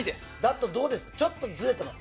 ちょっとずれてます？